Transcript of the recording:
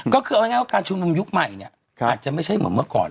ก็คือเอาง่ายว่าการชุมนุมยุคใหม่เนี่ยอาจจะไม่ใช่เหมือนเมื่อก่อน